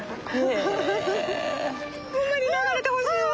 ほんまに流れてほしいわ。